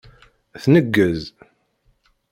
Tneggez.